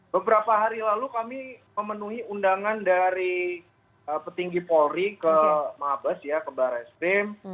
beberapa hari lalu kami memenuhi undangan dari petinggi polri ke mabes ya ke barreskrim